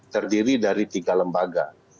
terdiri dari tiga lembaga